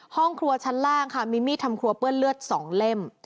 ห้องครัวชั้นล่างค่ะมีมีดทำครัวเปื้อนเลือด๒เล่ม